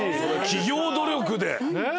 企業努力で。